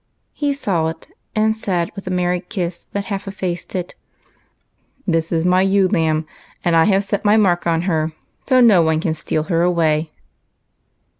He saw it, and said with a merry kiss that half effaced it, " This is my ewe lamb, and I have set my mark on her, so no one can steal her away."